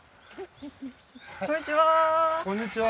こんにちは。